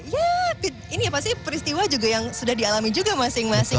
ya ini ya pasti peristiwa juga yang sudah dialami juga masing masing